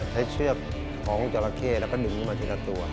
ใช้เชือกของเจาระเข้แล้วก็หนึ่งมาทีละตัว